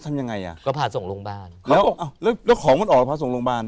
ทำยังไงอ่ะก็พาส่งโรงบาลแล้วแล้วของมันออกพาส่งโรงบาล